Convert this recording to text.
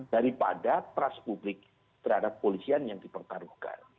daripada trust publik terhadap polisian yang dipertaruhkan